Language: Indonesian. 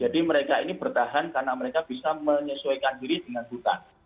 jadi mereka ini bertahan karena mereka bisa menyesuaikan diri dengan hutan